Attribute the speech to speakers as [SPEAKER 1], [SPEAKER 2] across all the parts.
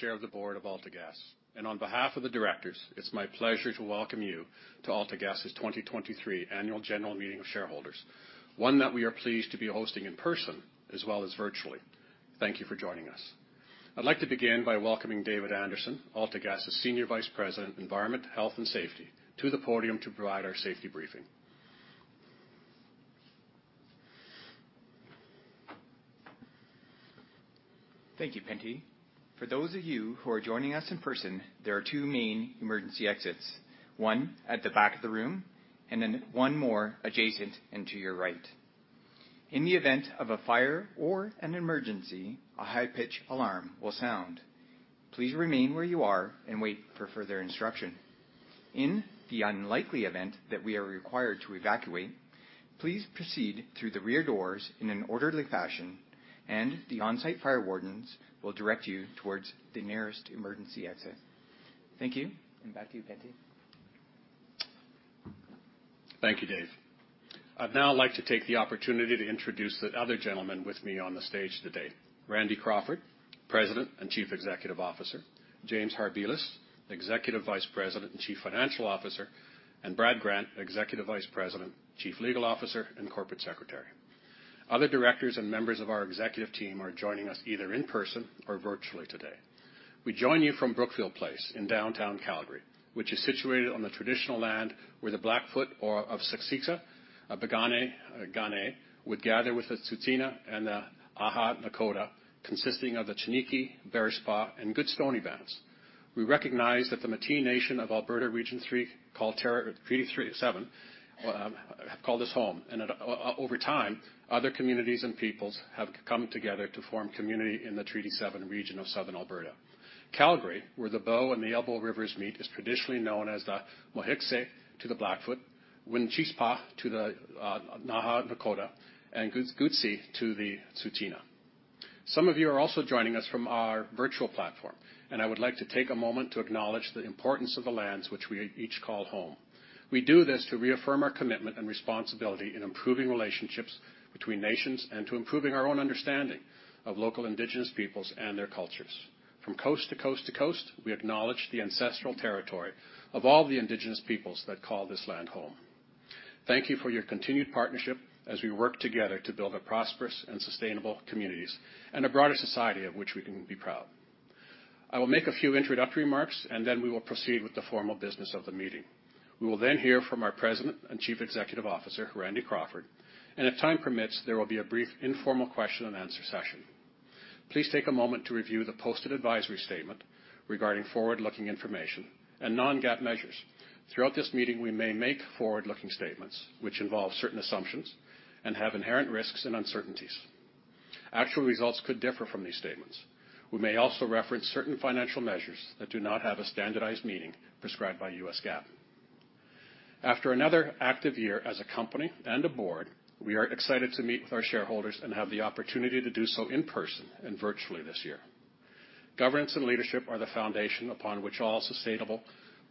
[SPEAKER 1] Chair of the Board of AltaGas. On behalf of the directors, it's my pleasure to welcome you to AltaGas's 2023 Annual General Meeting of Shareholders, one that we are pleased to be hosting in person as well as virtually. Thank you for joining. I'd like to begin by welcoming David Anderson, AltaGas's Senior Vice President, Environment, Health, and Safety, to the podium to provide our safety briefing.
[SPEAKER 2] Thank you, Pentti. For those of you who are joining in person, there are two main emergency exits, one at the back of the room and then one more adjacent and to your right. In the event of a fire or an emergency, a high-pitch alarm will sound. Please remain where you are and wait for further instruction. In the unlikely event that we are required to evacuate, please proceed through the rear doors in an orderly fashion, and the on-site fire wardens will direct you towards the nearest emergency exit. Thank you. Back to you, Pentti.
[SPEAKER 1] Thank you, Dave. I'd now like to take the opportunity to introduce the other gentleman with me on the stage today, Randy Crawford, President and Chief Executive Officer, James Harbilas, Executive Vice President and Chief Financial Officer, and Brad Grant, Executive Vice President, Chief Legal Officer, and Corporate Secretary. Other directors and members of our executive team are joining either in person or virtually today. We join you from Brookfield Place in downtown Calgary, which is situated on the traditional land where the Blackfoot or of Siksika, Piikani, or Kainai would gather with the Tsuut'ina and the Îyârhe Nakoda, consisting of the Chiniki, Bearspaw, and Goodstoney bands. We recognize that the Métis Nation of Alberta Region three call Treaty seven home. That over time, other communities and peoples have come together to form community in the Treaty seven region of Southern Alberta. Calgary, where the Bow and the Elbow rivers meet, is traditionally known as the Moh'kinstsis to the Blackfoot, Wîchîspa to the Îyârhe Nakoda, and Guts'ists'i to the Tsuut'ina. Some of you are also joining us from our virtual platform. I would like to take a moment to acknowledge the importance of the lands which we each call home. We do this to reaffirm our commitment and responsibility in improving relationships between nations and to improving our own understanding of local indigenous peoples and their cultures. From coast to coast to coast, we acknowledge the ancestral territory of all the indigenous peoples that call this land home. Thank you for your continued partnership as we work together to build a prosperous and sustainable communities and a broader society of which we can be proud. I will make a few introductory remarks, and then we will proceed with the formal business of the meeting. We will then hear from our President and Chief Executive Officer, Randy Crawford. If time permits, there will be a brief informal question and answer session. Please take a moment to review the posted advisory statement regarding forward-looking information and non-GAAP measures. Throughout this meeting, we may make forward-looking statements which involve certain assumptions and have inherent risks and uncertainties. Actual results could differ from these statements. We may also reference certain financial measures that do not have a standardized meaning prescribed by GAAP. After another active year as a company and a board, we are excited to meet with our shareholders and have the opportunity to do so in person and virtually this year. Governance and leadership are the foundation upon which all sustainable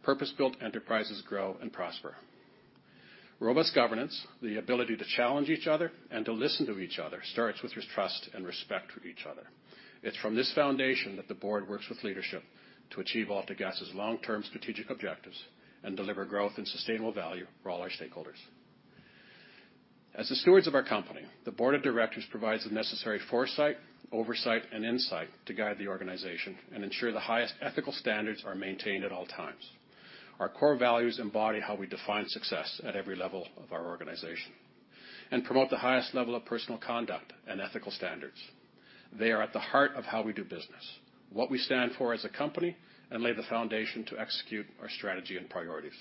[SPEAKER 1] purpose-built enterprises grow and prosper. Robust governance, the ability to challenge each other and to listen to each other, starts with trust and respect for each other. It's from this foundation that the board works with leadership to achieve AltaGas's long-term strategic objectives and deliver growth and sustainable value for all our stakeholders. As the stewards of our company, the board of directors provides the necessary foresight, oversight, and insight to guide the organization and ensure the highest ethical standards are maintained at all times. Our core values embody how we define success at every level of our organization and promote the highest level of personal conduct and ethical standards. They are at the heart of how we do business, what we stand for as a company, and lay the foundation to execute our strategy and priorities.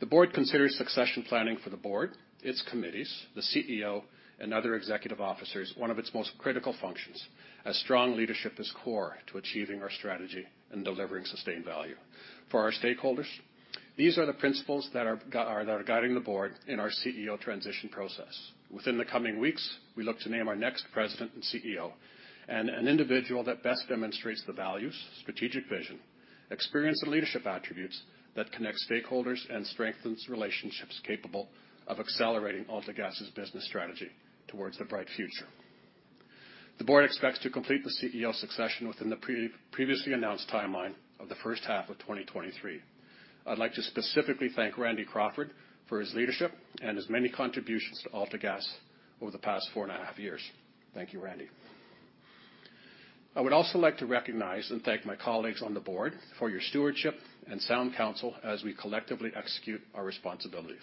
[SPEAKER 1] The board considers succession planning for the board, its committees, the CEO, and other executive officers one of its most critical functions as strong leadership is core to achieving our strategy and delivering sustained value. For our stakeholders, these are the principles that are guiding the board in our CEO transition process. Within the coming weeks, we look to name our next president and CEO and an individual that best demonstrates the values, strategic vision, experience, and leadership attributes that connect stakeholders and strengthens relationships capable of accelerating AltaGas's business strategy towards the bright future. The board expects to complete the CEO succession within the pre-previously announced timeline of the first half of 2023. I'd like to specifically thank Randy Crawford for his leadership and his many contributions to AltaGas over the past four and a half years. Thank you, Randy. I would also like to recognize and thank my colleagues on the board for your stewardship and sound counsel as we collectively execute our responsibilities.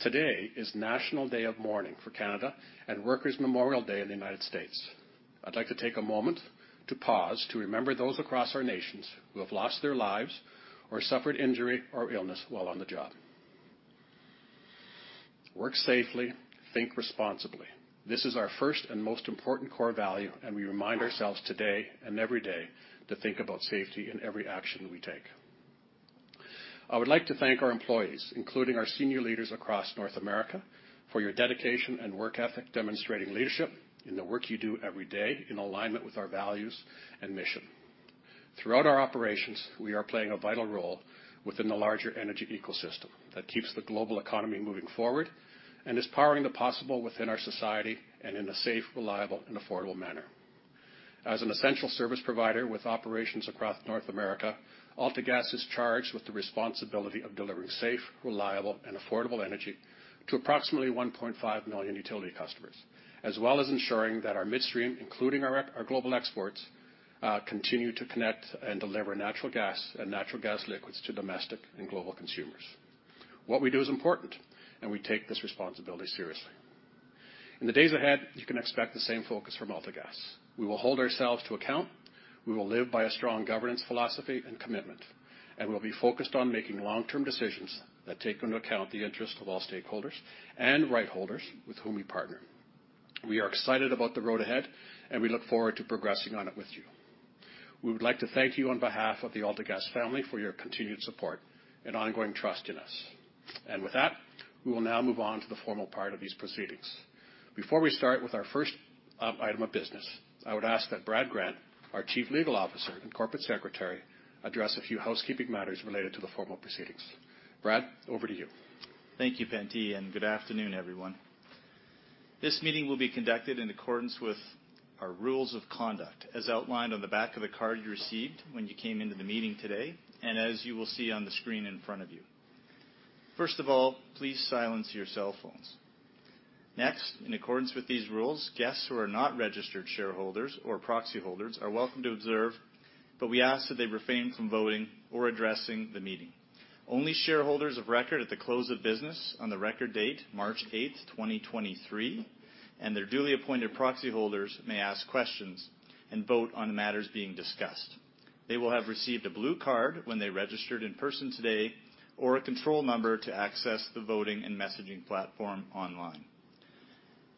[SPEAKER 1] Today is National Day of Mourning for Canada and Workers' Memorial Day in the United States. I'd like to take a moment to pause to remember those across our nations who have lost their lives or suffered injury or illness while on the job. Work safely, think responsibly. This is our first and most important core value, and we remind ourselves today and every day to think about safety in every action we take. I would like to thank our employees, including our senior leaders across North America, for your dedication and work ethic demonstrating leadership in the work you do every day in alignment with our values and mission. Throughout our operations, we are playing a vital role within the larger energy ecosystem that keeps the global economy moving forward and is powering the possible within our society and in a safe, reliable, and affordable manner. As an essential service provider with operations across North America, AltaGas is charged with the responsibility of delivering safe, reliable, and affordable energy to approximately 1.5 million utility customers, as well as ensuring that our midstream, including our global exports, continue to connect and deliver natural gas and natural gas liquids to domestic and global consumers. What we do is important, and we take this responsibility seriously. In the days ahead, you can expect the same focus from AltaGas. We will hold ourselves to account, we will live by a strong governance philosophy and commitment, and we'll be focused on making long-term decisions that take into account the interests of all stakeholders and right holders with whom we partner. We are excited about the road ahead, and we look forward to progressing on it with you. We would like to thank you on behalf of the AltaGas family for your continued support and ongoing trust in us. With that, we will now move on to the formal part of these proceedings. Before we start with our first item of business, I would ask that Brad Grant, our Chief Legal Officer and Corporate Secretary, address a few housekeeping matters related to the formal proceedings. Brad, over to you.
[SPEAKER 3] Thank you, Pentti, and good afternoon, everyone. This meeting will be conducted in accordance with our rules of conduct as outlined on the back of the card you received when you came into the meeting today, and as you will see on the screen in front of you. First of all, please silence your cell phones. Next, in accordance with these rules, guests who are not registered shareholders or proxy holders are welcome to observe, but we ask that they refrain from voting or addressing the meeting. Only shareholders of record at the close of business on the record date March 8th, 2023, and their duly appointed proxy holders may ask questions and vote on matters being discussed. They will have received a blue card when they registered in person today or a control number to access the voting and messaging platform online.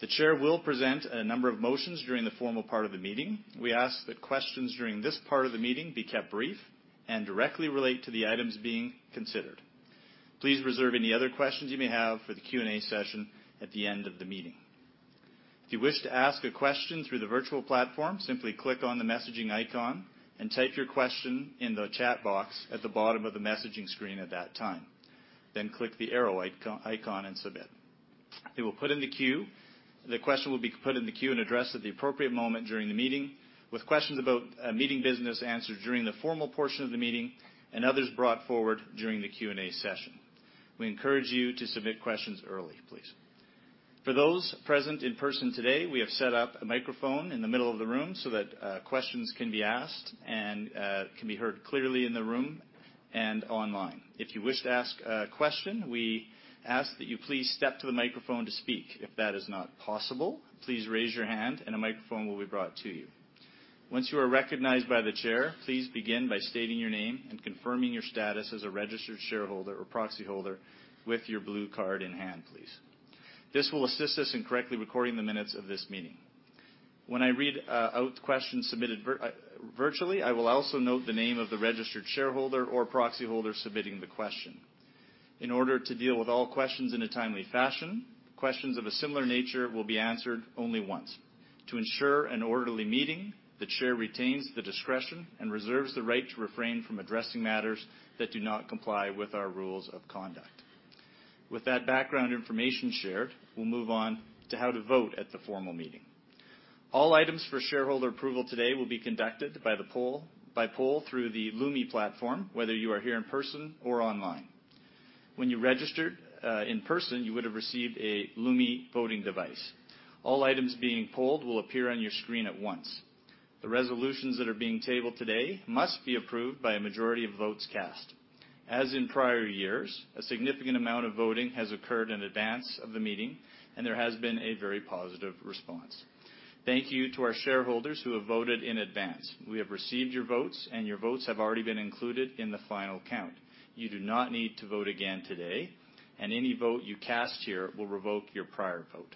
[SPEAKER 3] The chair will present a number of motions during the formal part of the meeting. We ask that questions during this part of the meeting be kept brief and directly relate to the items being considered. Please reserve any other questions you may have for the Q&A session at the end of the meeting. If you wish to ask a question through the virtual platform, simply click on the messaging icon and type your question in the chat box at the bottom of the messaging screen at that time. Click the arrow icon and submit. It will put in the queue. The question will be put in the queue and addressed at the appropriate moment during the meeting, with questions about meeting business answered during the formal portion of the meeting and others brought forward during the Q&A session. We encourage you to submit questions early, please. For those present in person today, we have set up a microphone in the middle of the room so that questions can be asked and can be heard clearly in the room and online. If you wish to ask a question, we ask that you please step to the microphone to speak. If that is not possible, please raise your hand and a microphone will be brought to you. Once you are recognized by the chair, please begin by stating your name and confirming your status as a registered shareholder or proxy holder with your blue card in hand, please. This will assist us in correctly recording the minutes of this meeting. When I read out questions submitted virtually, I will also note the name of the registered shareholder or proxy holder submitting the question. In order to deal with all questions in a timely fashion, questions of a similar nature will be answered only once. To ensure an orderly meeting, the chair retains the discretion and reserves the right to refrain from addressing matters that do not comply with our rules of conduct. With that background information shared, we'll move on to how to vote at the formal meeting. All items for shareholder approval today will be conducted by poll through the Lumi platform, whether you are here in person or online. When you registered, in person, you would have received a Lumi voting device. All items being polled will appear on your screen at once. The resolutions that are being tabled today must be approved by a majority of votes cast. As in prior years, a significant amount of voting has occurred in advance of the meeting, and there has been a very positive response. Thank you to our shareholders who have voted in advance. We have received your votes, and your votes have already been included in the final count. You do not need to vote again today, and any vote you cast here will revoke your prior vote.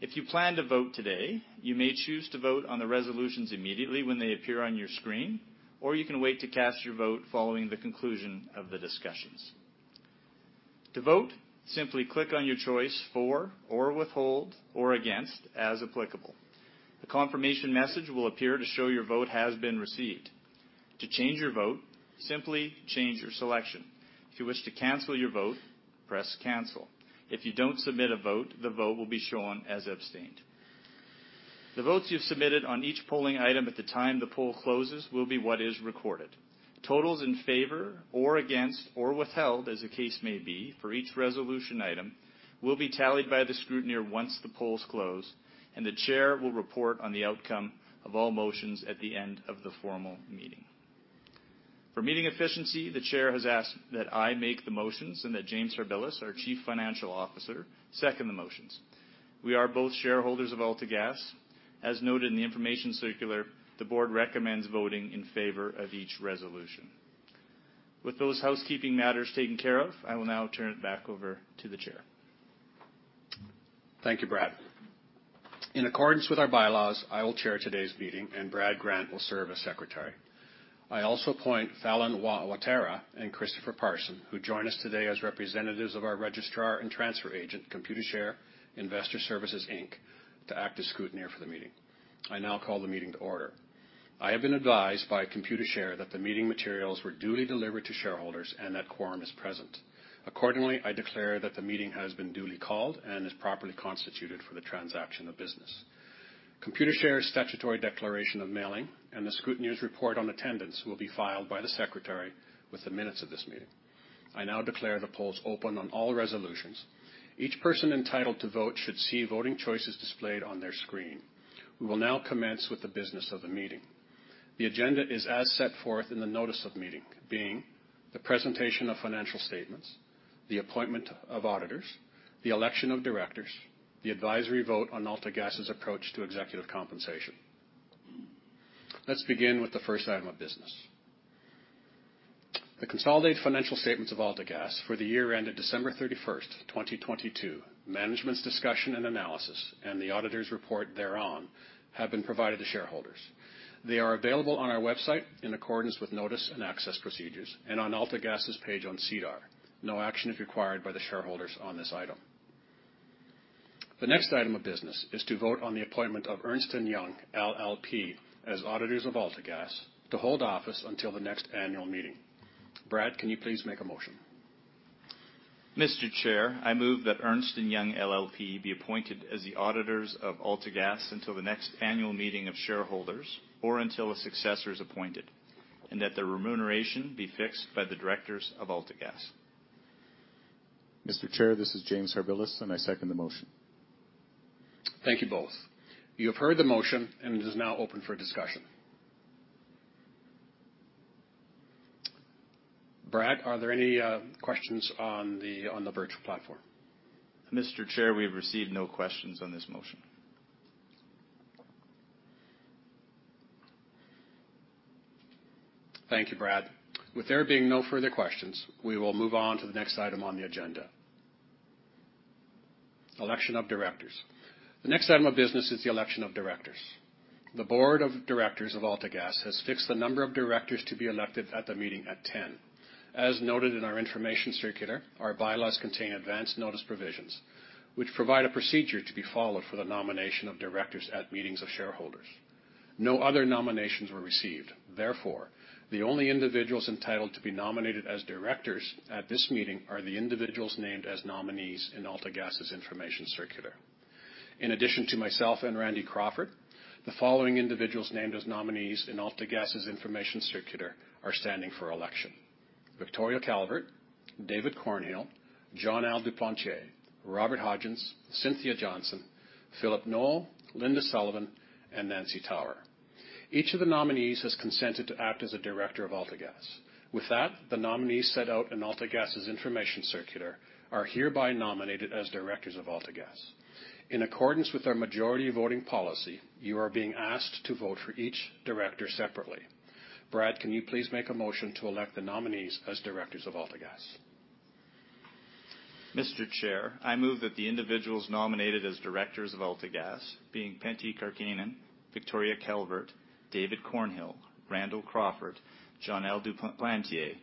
[SPEAKER 3] If you plan to vote today, you may choose to vote on the resolutions immediately when they appear on your screen, or you can wait to cast your vote following the conclusion of the discussions. To vote, simply click on your choice for or withhold or against as applicable. The confirmation message will appear to show your vote has been received. To change your vote, simply change your selection. If you wish to cancel your vote, press Cancel. If you don't submit a vote, the vote will be shown as abstained. The votes you've submitted on each polling item at the time the poll closes will be what is recorded. Totals in favor or against or withheld, as the case may be, for each resolution item will be tallied by the scrutineer once the polls close, and the chair will report on the outcome of all motions at the end of the formal meeting. For meeting efficiency, the chair has asked that I make the motions and that James Harbilas, our Chief Financial Officer, second the motions. We are both shareholders of AltaGas. As noted in the information circular, the board recommends voting in favor of each resolution. With those housekeeping matters taken care of, I will now turn it back over to the chair.
[SPEAKER 1] Thank you, Brad. In accordance with our bylaws, I will chair today's meeting, and Brad Grant will serve as secretary. I also appoint Fallon Watara and Christopher Parsons, who join us today as representatives of our registrar and transfer agent, Computershare Investor Services Inc., to act as scrutineer for the meeting. I now call the meeting to order. I have been advised by Computershare that the meeting materials were duly delivered to shareholders and that quorum is present. I declare that the meeting has been duly called and is properly constituted for the transaction of business. Computershare's statutory declaration of mailing and the scrutineer's report on attendance will be filed by the secretary with the minutes of this meeting. I now declare the polls open on all resolutions. Each person entitled to vote should see voting choices displayed on their screen. We will now commence with the business of the meeting. The agenda is as set forth in the notice of meeting, being the presentation of financial statements, the appointment of auditors, the election of directors, the advisory vote on AltaGas's approach to executive compensation. Let's begin with the first item of business. The consolidated financial statements of AltaGas for the year ended December 31st, 2022, Management's Discussion and Analysis, and the auditor's report thereon have been provided to shareholders. They are available on our website in accordance with notice and access procedures and on AltaGas's page on SEDAR. No action is required by the shareholders on this item. The next item of business is to vote on the appointment of Ernst & Young LLP as auditors of AltaGas to hold office until the next annual meeting. Brad, can you please make a motion?
[SPEAKER 3] Mr. Chair, I move that Ernst & Young LLP be appointed as the auditors of AltaGas until the next annual meeting of shareholders or until a successor is appointed, and that their remuneration be fixed by the directors of AltaGas.
[SPEAKER 4] Mr. Chair, this is James Harbilas, and I second the motion.
[SPEAKER 1] Thank you both. You have heard the motion, and it is now open for discussion. Brad, are there any questions on the, on the virtual platform?
[SPEAKER 3] Mr. Chair, we have received no questions on this motion.
[SPEAKER 1] Thank you, Brad. With there being no further questions, we will move on to the next item on the agenda. Election of directors. The next item of business is the election of directors. The board of directors of AltaGas has fixed the number of directors to be elected at the meeting at ten. As noted in our information circular, our bylaws contain advance notice provisions, which provide a procedure to be followed for the nomination of directors at meetings of shareholders. No other nominations were received. Therefore, the only individuals entitled to be nominated as directors at this meeting are the individuals named as nominees in AltaGas's information circular. In addition to myself and Randy Crawford, the following individuals named as nominees in AltaGas's information circular are standing for election: Victoria Calvert, David Cornhill, Jon-Al Duplantier, Robert Hodgins, Cynthia Johnston, Phillip Knoll, Linda Sullivan, and Nancy Tower. Each of the nominees has consented to act as a director of AltaGas. With that, the nominees set out in AltaGas's information circular are hereby nominated as directors of AltaGas. In accordance with our majority voting policy, you are being asked to vote for each director separately. Brad, can you please make a motion to elect the nominees as directors of AltaGas?
[SPEAKER 3] Mr. Chair, I move that the individuals nominated as directors of AltaGas, being Pentti Karkkainen, Victoria Calvert, David Cornhill, Randall Crawford, Jon-Al Duplantier,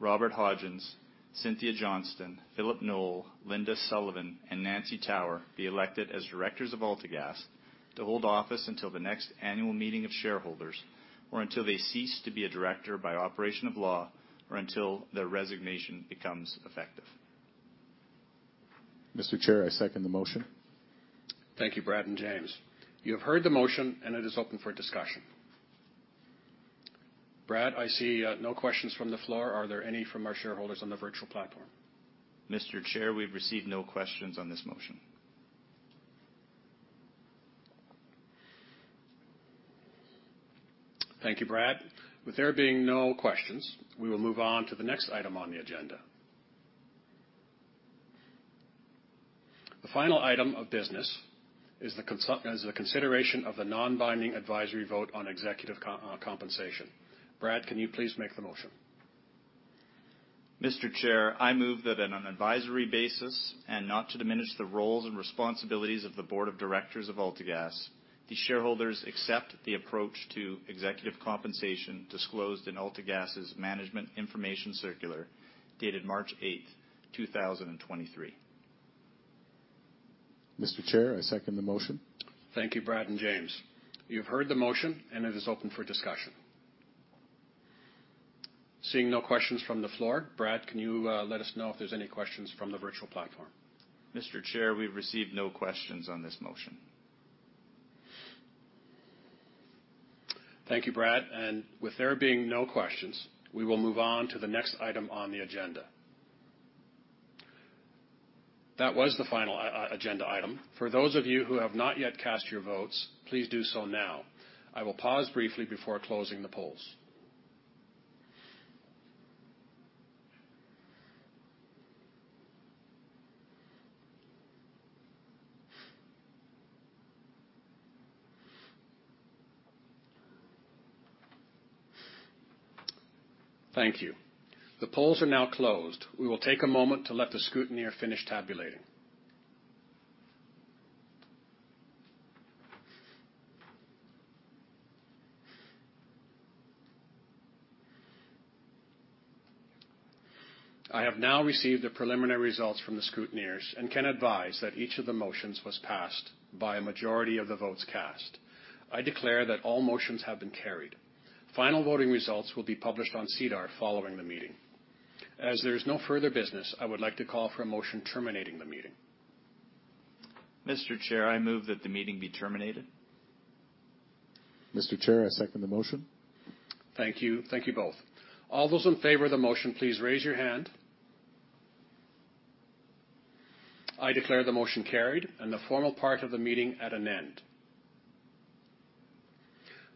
[SPEAKER 3] Robert Hodgins, Cynthia Johnston, Phillip Knoll, Linda Sullivan, and Nancy Tower, be elected as directors of AltaGas to hold office until the next annual meeting of shareholders or until they cease to be a director by operation of law or until their resignation becomes effective.
[SPEAKER 4] Mr. Chair, I second the motion.
[SPEAKER 1] Thank you, Brad and James. You have heard the motion. It is open for discussion. Brad, I see no questions from the floor. Are there any from our shareholders on the virtual platform?
[SPEAKER 3] Mr. Chair, we've received no questions on this motion.
[SPEAKER 1] Thank you, Brad. With there being no questions, we will move on to the next item on the agenda. The final item of business is the consideration of the non-binding advisory vote on executive compensation. Brad, can you please make the motion?
[SPEAKER 3] Mr. Chair, I move that on an advisory basis and not to diminish the roles and responsibilities of the board of directors of AltaGas, the shareholders accept the approach to executive compensation disclosed in AltaGas's management information circular dated March 8, 2023.
[SPEAKER 4] Mr. Chair, I second the motion.
[SPEAKER 1] Thank you, Brad and James. You've heard the motion, and it is open for discussion. Seeing no questions from the floor. Brad, can you let us know if there's any questions from the virtual platform?
[SPEAKER 3] Mr. Chair, we've received no questions on this motion.
[SPEAKER 1] Thank you, Brad. With there being no questions, we will move on to the next item on the agenda. That was the final agenda item. For those of you who have not yet cast your votes, please do so now. I will pause briefly before closing the polls. Thank you. The polls are now closed. We will take a moment to let the scrutineer finish tabulating. I have now received the preliminary results from the scrutineers and can advise that each of the motions was passed by a majority of the votes cast. I declare that all motions have been carried. Final voting results will be published on SEDAR following the meeting. There is no further business, I would like to call for a motion terminating the meeting.
[SPEAKER 3] Mr. Chair, I move that the meeting be terminated. Mr. Chair, I second the motion.
[SPEAKER 1] Thank you. Thank you both. All those in favor of the motion, please raise your hand. I declare the motion carried and the formal part of the meeting at an end.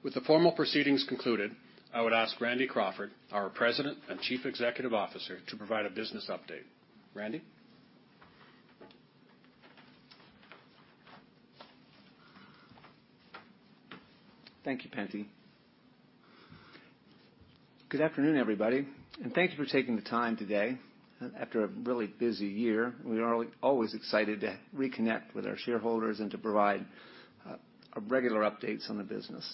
[SPEAKER 1] With the formal proceedings concluded, I would ask Randy Crawford, our President and Chief Executive Officer, to provide a business update. Randy.
[SPEAKER 5] Thank you, Pentti. Good afternoon, everybody. Thank you for taking the time today. After a really busy year, we are always excited to reconnect with our shareholders and to provide regular updates on the business.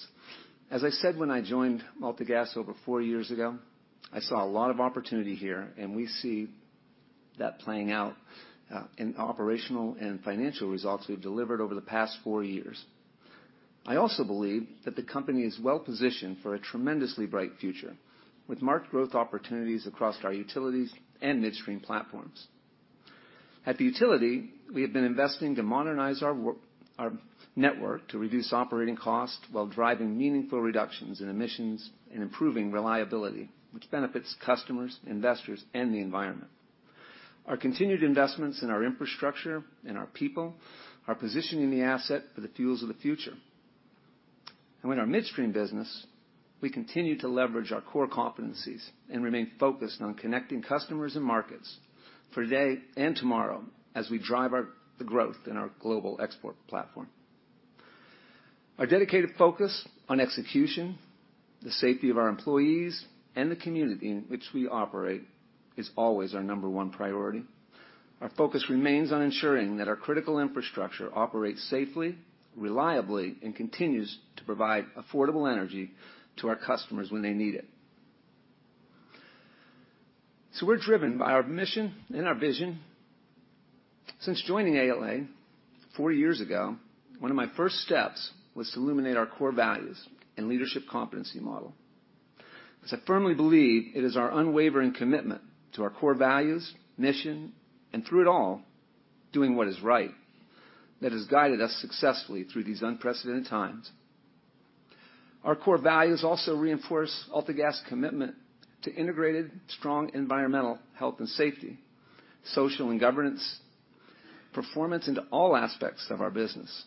[SPEAKER 5] As I said when I joined AltaGas over four years ago, I saw a lot of opportunity here. We see that playing out in operational and financial results we've delivered over the past four years. I also believe that the company is well-positioned for a tremendously bright future, with marked growth opportunities across our utilities and midstream platforms. At the utility, we have been investing to modernize our network to reduce operating costs while driving meaningful reductions in emissions and improving reliability, which benefits customers, investors and the environment. Our continued investments in our infrastructure and our people are positioning the asset for the fuels of the future. With our midstream business, we continue to leverage our core competencies and remain focused on connecting customers and markets for today and tomorrow as we drive the growth in our global export platform. Our dedicated focus on execution, the safety of our employees and the community in which we operate is always our number one priority. Our focus remains on ensuring that our critical infrastructure operates safely, reliably, and continues to provide affordable energy to our customers when they need it. We're driven by our mission and our vision. Since joining ALA four years ago, one of my first steps was to illuminate our core values and leadership competency model, as I firmly believe it is our unwavering commitment to our core values, mission, and through it all, doing what is right that has guided us successfully through these unprecedented times. Our core values also reinforce AltaGas commitment to integrated, strong environmental, heh and safety, social and governance, performance into all aspects of our business.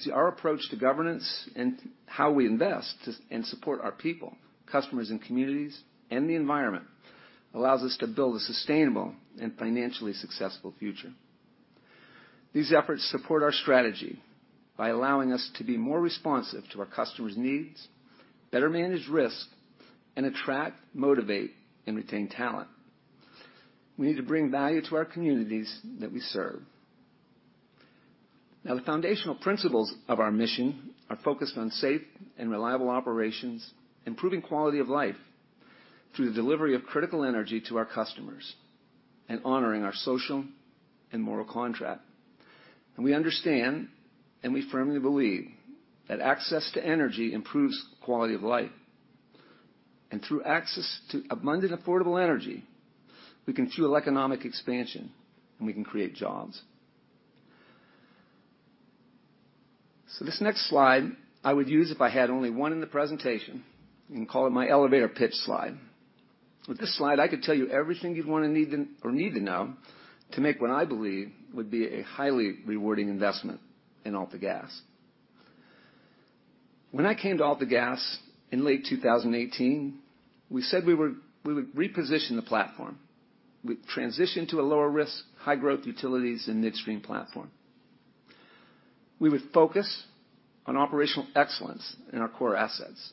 [SPEAKER 5] See, our approach to governance and how we invest to, and support our people, customers and communities, and the environment, allows us to build a sustainable and financially successful future. These efforts support our strategy by allowing us to be more responsive to our customers' needs, better manage risk, and attract, motivate, and retain talent. We need to bring value to our communities that we serve. Now, the foundational principles of our mission are focused on safe and reliable operations, improving quality of life through the delivery of critical energy to our customers, and honoring our social and moral contract. We understand, and we firmly believe that access to energy improves quality of life. Through access to abundant, affordable energy, we can fuel economic expansion, and we can create jobs. This next slide I would use if I had only one in the presentation, you can call it my elevator pitch slide. With this slide, I could tell you everything you'd wanna need to, or need to know to make what I believe would be a highly rewarding investment in AltaGas. When I came to AltaGas in late 2018, we said we would reposition the platform. We'd transition to a lower risk, high growth utilities and midstream platform. We would focus on operational excellence in our core assets,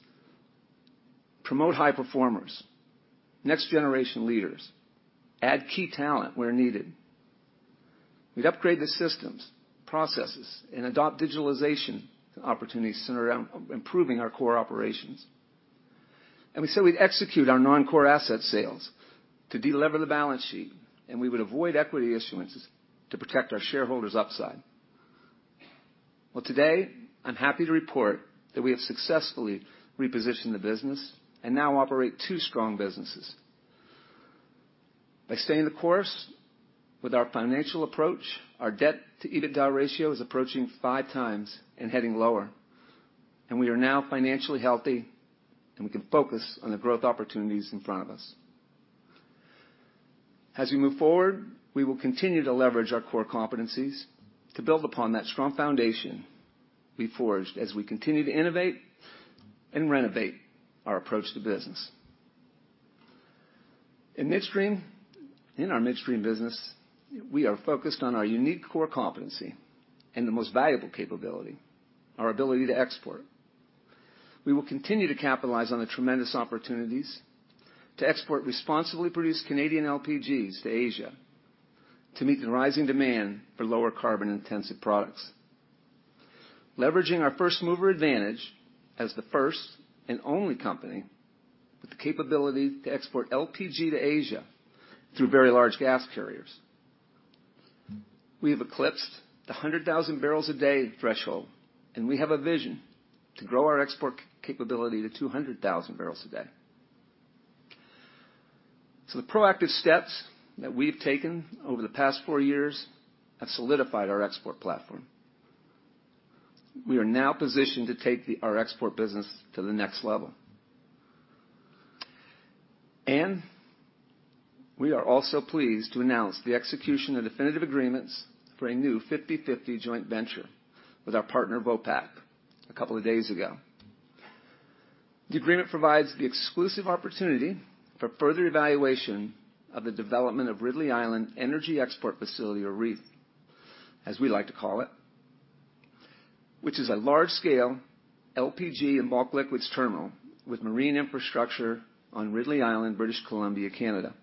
[SPEAKER 5] promote high performers, next generation leaders, add key talent where needed. We'd upgrade the systems, processes, and adopt digitalization opportunities centered around improving our core operations. We said we'd execute our non-core asset sales to delever the balance sheet, and we would avoid equity issuances to protect our shareholders' upside. Today, I'm happy to report that we have successfully repositioned the business and now operate two strong businesses. By staying the course with our financial approach, our debt-to-EBITDA ratio is approaching five times and heading lower, and we are now financially hehy, and we can focus on the growth opportunities in front of us. We move forward, we will continue to leverage our core competencies to build upon that strong foundation we forged as we continue to innovate and renovate our approach to business. In our midstream business, we are focused on our unique core competency and the most valuable capability, our ability to export. We will continue to capitalize on the tremendous opportunities to export responsibly produced Canadian LPGs to Asia to meet the rising demand for lower carbon-intensive products. Leveraging our first mover advantage as the first and only company with the capability to export LPG to Asia through Very Large Gas Carriers. We have eclipsed the 100,000 barrels a day threshold, and we have a vision to grow our export capability to 200,000 barrels a day. The proactive steps that we've taken over the past four years have solidified our export platform. We are now positioned to take our export business to the next level. We are also pleased to announce the execution of definitive agreements for a new 50/50 joint venture with our partner, Vopak, a couple of days ago. The agreement provides the exclusive opportunity for further evaluation of the development of Ridley Island Energy Export Facility, or REEF, as we like to call it, which is a large-scale LPG and bulk liquids terminal with marine infrastructure on Ridley Island, British Columbia, Canada.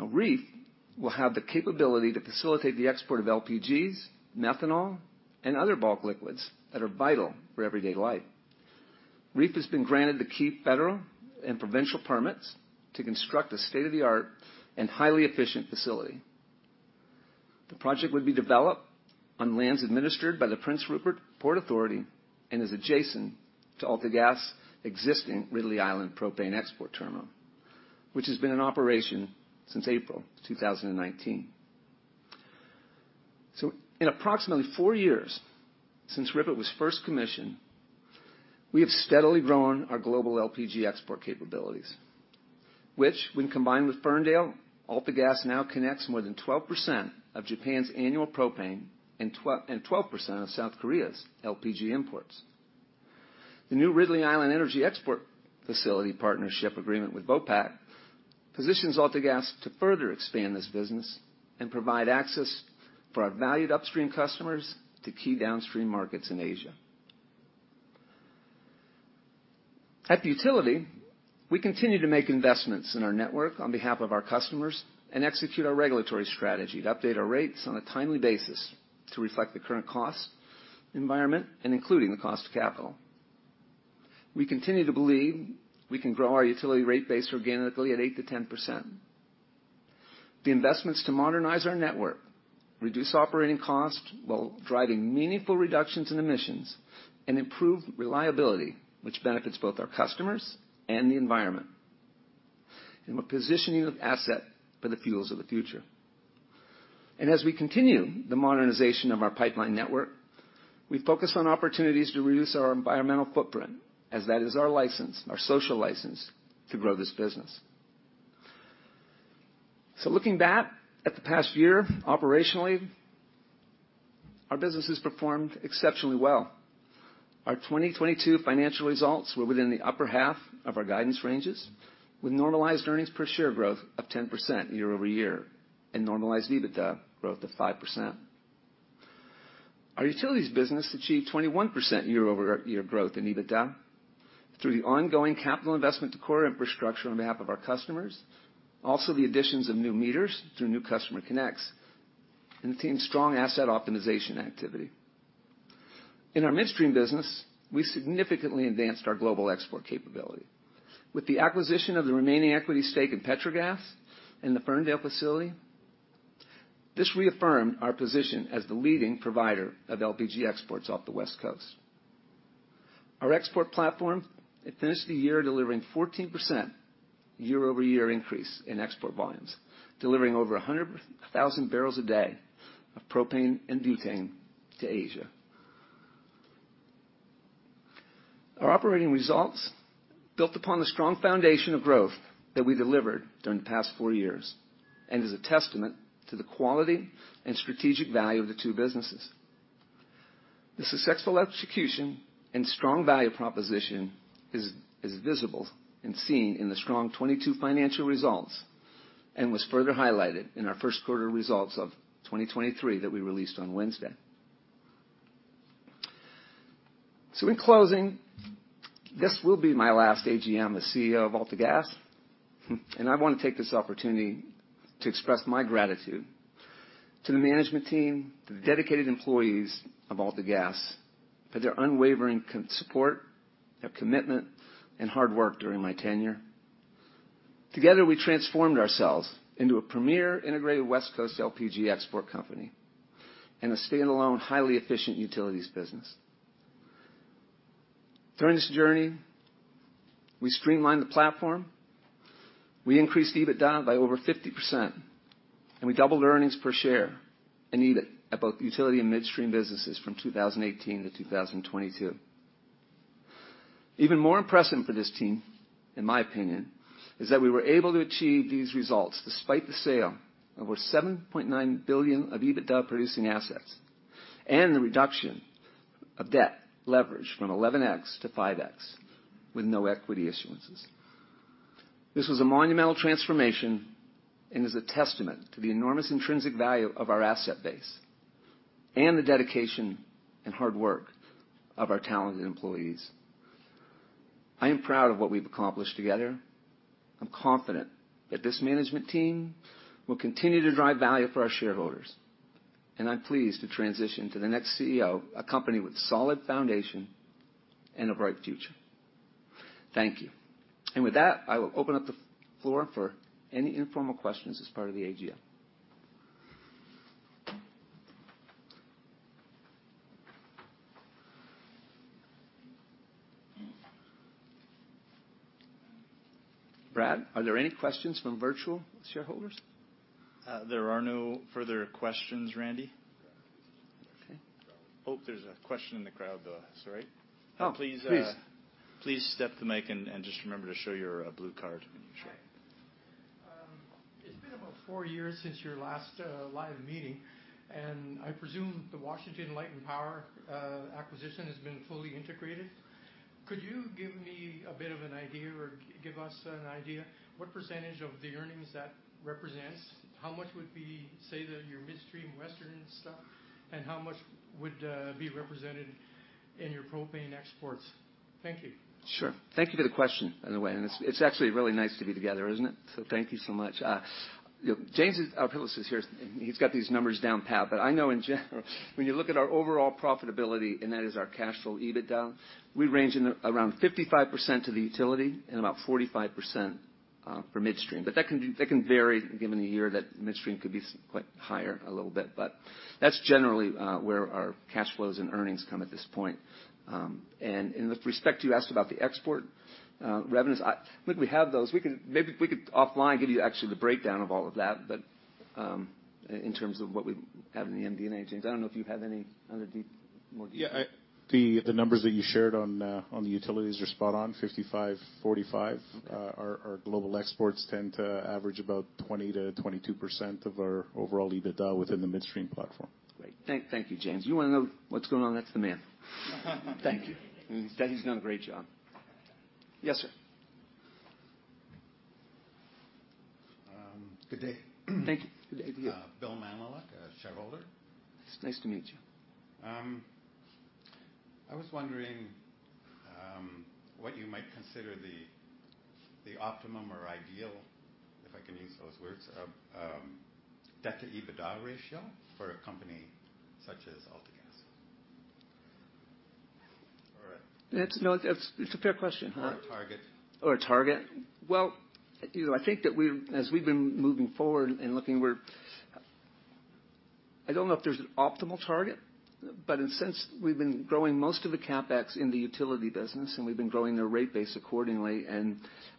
[SPEAKER 5] REEF will have the capability to facilitate the export of LPGs, methanol, and other bulk liquids that are vital for everyday life. REEF has been granted the key federal and provincial permits to construct a state-of-the-art and highly efficient facility. The project would be developed on lands administered by the Prince Rupert Port Authority and is adjacent to AltaGas' existing Ridley Island Propane Export Terminal, which has been in operation since April 2019. In approximately 4 years since RIPET was first commissioned, we have steadily grown our global LPG export capabilities, which when combined with Ferndale, AltaGas now connects more than 12% of Japan's annual propane and 12% of South Korea's LPG imports. The new Ridley Island Energy Export Facility partnership agreement with Vopak positions AltaGas to further expand this business and provide access for our valued upstream customers to key downstream markets in Asia. At Utility, we continue to make investments in our network on behalf of our customers and execute our regulatory strategy to update our rates on a timely basis to reflect the current cost environment and including the cost of capital. We continue to believe we can grow our utility rate base organically at 8%-10%. The investments to modernize our network reduce operating costs while driving meaningful reductions in emissions and improve reliability, which benefits both our customers and the environment. We're positioning the asset for the fuels of the future. As we continue the modernization of our pipeline network, we focus on opportunities to reduce our environmental footprint as that is our license, our social license to grow this business. Looking back at the past year, operationally, our business has performed exceptionally well. Our 2022 financial results were within the upper half of our guidance ranges, with normalized earnings per share growth of 10% year-over-year and normalized EBITDA growth of 5%. Our utilities business achieved 21% year-over-year growth in EBITDA through the ongoing capital investment to core infrastructure on behalf of our customers, also the additions of new meters through new customer connects, and the team's strong asset optimization activity. In our midstream business, I significantly advanced our global export capability. With the acquisition of the remaining equity stake in Petrogas and the Ferndale facility, this reaffirmed our position as the leading provider of LPG exports off the West Coast. Our export platform, it finished the year delivering 14% year-over-year increase in export volumes, delivering over 100,000 barrels a day of propane and butane to Asia. Our operating results built upon the strong foundation of growth that we delivered during the past four years and is a testament to the quality and strategic value of the two businesses. The successful execution and strong value proposition is visible and seen in the strong 2022 financial results and was further highlighted in our first quarter results of 2023 that we released on Wednesday. In closing, this will be my last AGM as CEO of AltaGas, and I wanna take this opportunity to express my gratitude to the management team, to the dedicated employees of AltaGas for their unwavering support, their commitment, and hard work during my tenure. Together, we transformed ourselves into a premier integrated West Coast LPG export company and a standalone, highly efficient utilities business. During this journey, we streamlined the platform, we increased EBITDA by over 50%, and we doubled earnings per share and EBITDA at both utility and midstream businesses from 2018 to 2022. Even more impressive for this team, in my opinion, is that we were able to achieve these results despite the sale of over 7.9 billion of EBITDA-producing assets and the reduction of debt leverage from 11x to 5x with no equity issuances. This was a monumental transformation and is a testament to the enormous intrinsic value of our asset base and the dedication and hard work of our talented employees. I am proud of what we've accomplished together. I'm confident that this management team will continue to drive value for our shareholders. I'm pleased to transition to the next CEO, a company with solid foundation and a bright future. Thank you. With that, I will open up the floor for any informal questions as part of the AGM. Brad, are there any questions from virtual shareholders?
[SPEAKER 3] There are no further questions, Randy.
[SPEAKER 5] Okay.
[SPEAKER 3] Oh, there's a question in the crowd, though. Sorry.
[SPEAKER 5] Oh, please.
[SPEAKER 3] Please step to the mic and just remember to show your blue card when you share.
[SPEAKER 6] Hi. It's been about four years since your last live meeting, and I presume the Washington Gas acquisition has been fully integrated. Could you give me a bit of an idea or give us an idea what % of the earnings that represents? How much would be, say that your midstream Western stuff, and how much would be represented in your propane exports? Thank you.
[SPEAKER 5] Sure. Thank you for the question, by the way, it's actually really nice to be together, isn't it? Thank you so much. James, our CEO, is here. He's got these numbers down pat, I know in general, when you look at our overall profitability, and that is our cash flow EBITDA, we range in around 55% of the utility and about 45% for midstream. That can vary given the year that midstream could be quite higher a little bit. That's generally where our cash flows and earnings come at this point. In the respect you asked about the export revenues, I think we have those. Maybe we could offline give you actually the breakdown of all of that, in terms of what we have in the MD&A. James, I don't know if you have any other deep.
[SPEAKER 4] Yeah. The numbers that you shared on the utilities are spot on, 55, 45.
[SPEAKER 5] Okay.
[SPEAKER 4] Our global exports tend to average about 20%-22% of our overall EBITDA within the midstream platform.
[SPEAKER 5] Great. Thank you, James. You wanna know what's going on, that's the man. Thank you. He's done a great job. Yes, sir.
[SPEAKER 7] Good day.
[SPEAKER 5] Thank you. Good day to you.
[SPEAKER 7] Bill Mamluk, shareholder.
[SPEAKER 5] It's nice to meet you.
[SPEAKER 7] I was wondering what you might consider the optimum or ideal, if I can use those words, of debt-to-EBITDA ratio for a company such as AltaGas. Or...
[SPEAKER 5] No, it's a fair question.
[SPEAKER 7] A target.
[SPEAKER 5] A target. Well, you know, I think that as we've been moving forward and looking, I don't know if there's an optimal target, but in a sense, we've been growing most of the CapEx in the utility business, and we've been growing their rate base accordingly.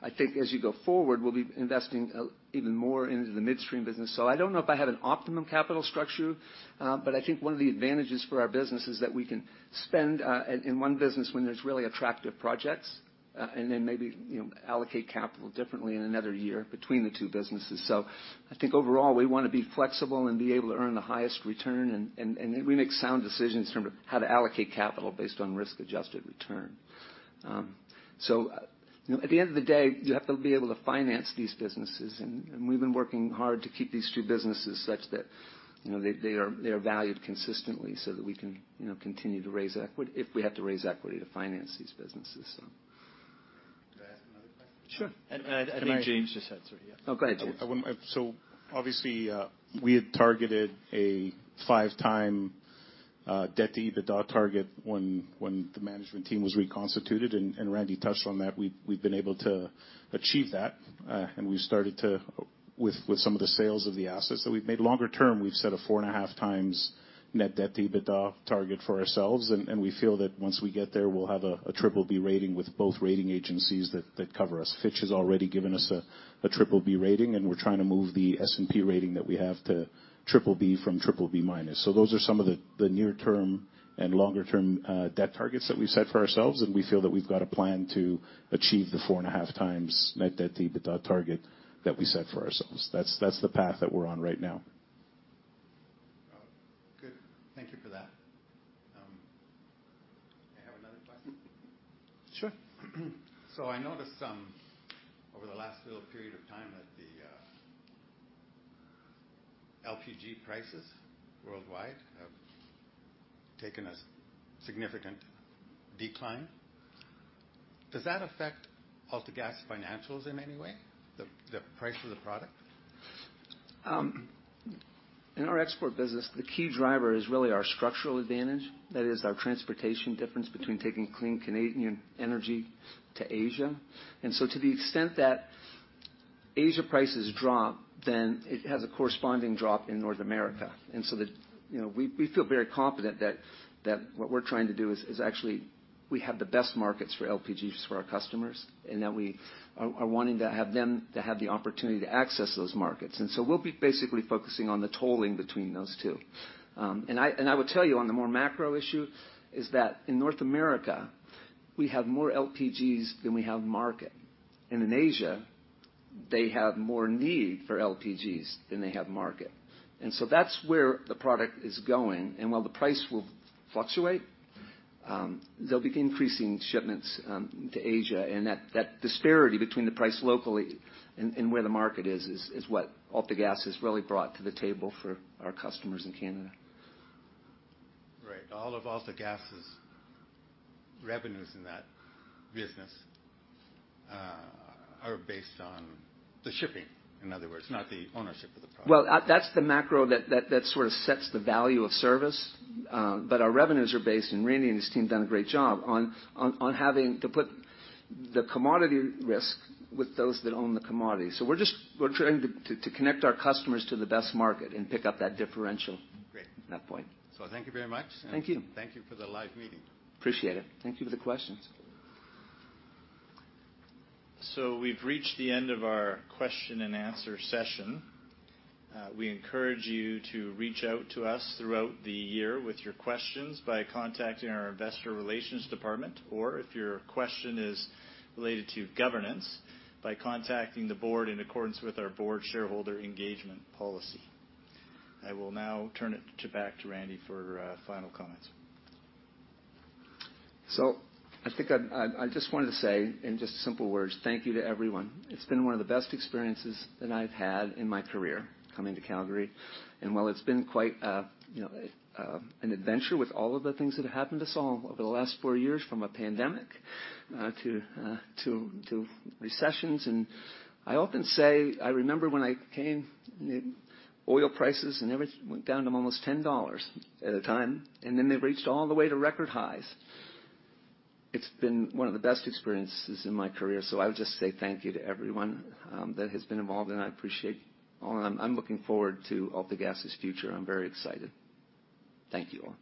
[SPEAKER 5] I think as you go forward, we'll be investing even more into the midstream business. I don't know if I have an optimum capital structure, but I think one of the advantages for our business is that we can spend in one business when there's really attractive projects, and then maybe, you know, allocate capital differently in another year between the two businesses. I think overall, we wanna be flexible and be able to earn the highest return, and we make sound decisions in terms of how to allocate capital based on risk-adjusted return. You know, at the end of the day, you have to be able to finance these businesses and we've been working hard to keep these two businesses such that, you know, they are valued consistently so that we can, you know, continue to raise equity, if we have to raise equity to finance these businesses.
[SPEAKER 7] May I ask another question?
[SPEAKER 5] Sure.
[SPEAKER 3] I think James just had something.
[SPEAKER 5] Oh, go ahead, James.
[SPEAKER 4] Obviously, we had targeted a five-time debt-to-EBITDA target when the management team was reconstituted, and Randy touched on that. We've been able to achieve that, and we started to with some of the sales of the assets that we've made. Longer term, we've set a 4.5x net debt-to-EBITDA target for ourselves, and we feel that once we get there, we'll have a BBB rating with both rating agencies that cover us. Fitch has already given us a BBB rating, and we're trying to move the S&P rating that we have to BBB from BBB-. Those are some of the near-term and longer-term debt targets that we've set for ourselves, and we feel that we've got a plan to achieve the 4.5x net debt-to-EBITDA target that we set for ourselves. That's the path that we're on right now.
[SPEAKER 7] Good. Thank you for that. May I have another question?
[SPEAKER 5] Sure.
[SPEAKER 7] I noticed over the last little period of time that LPG prices worldwide have taken a significant decline. Does that affect AltaGas financials in any way, the price of the product?
[SPEAKER 5] In our export business, the key driver is really our structural advantage. That is our transportation difference between taking clean Canadian energy to Asia. To the extent that Asia prices drop, then it has a corresponding drop in North America. you know, we feel very confident that what we're trying to do is actually we have the best markets for LPGs for our customers, and that we are wanting to have them to have the opportunity to access those markets. We'll be basically focusing on the tolling between those two. I will tell you on the more macro issue is that in North America, we have more LPGs than we have market. In Asia, they have more need for LPGs than they have market. That's where the product is going. While the price will fluctuate, they'll be increasing shipments to Asia. That disparity between the price locally and where the market is what AltaGas has really brought to the table for our customers in Canada.
[SPEAKER 7] Right. All of AltaGas' revenues in that business, are based on the shipping, in other words, not the ownership of the product.
[SPEAKER 5] Well, that's the macro that sort of sets the value of service, but our revenues are based, and Randy and his team done a great job on having to put the commodity risk with those that own the commodity. We're trying to connect our customers to the best market and pick up that differential...
[SPEAKER 7] Great.
[SPEAKER 5] At that point.
[SPEAKER 7] Thank you very much.
[SPEAKER 5] Thank you.
[SPEAKER 7] Thank you for the live meeting.
[SPEAKER 5] Appreciate it. Thank you for the questions.
[SPEAKER 3] We've reached the end of our question and answer session. We encourage you to reach out to us throughout the year with your questions by contacting our investor relations department, or if your question is related to governance, by contacting the board in accordance with our board shareholder engagement policy. I will now turn it back to Randy for final comments.
[SPEAKER 5] I just wanted to say in just simple words, thank you to everyone. It's been one of the best experiences that I've had in my career coming to Calgary. While it's been quite, you know, an adventure with all of the things that have happened to us all over the last four years, from a pandemic, to recessions. I often say, I remember when I came, oil prices and everything went down to almost $10 at a time, and then they've reached all the way to record highs. It's been one of the best experiences in my career. I would just say thank you to everyone that has been involved, and I appreciate all. I'm looking forward to AltaGas's future. I'm very excited. Thank you all.